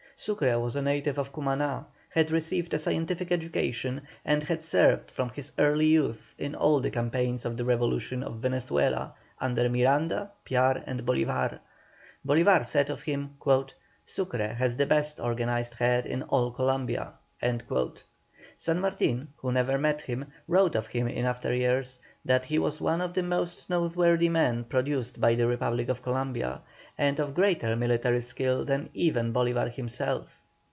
Sucre was a native of Cumaná, had received a scientific education, and had served from his early youth in all the campaigns of the revolution of Venezuela, under Miranda, Piar, and Bolívar. Bolívar said of him: "Sucre has the best organized head in all Columbia." San Martin, who never met him, wrote of him in after years, that he was one of the most noteworthy men produced by the Republic of Columbia, and of greater military skill than even Bolívar himself.